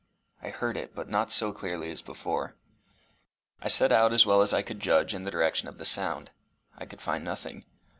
I heard it, but not so clearly as before. I set out as well as I could judge in the direction of the sound. I could find nothing.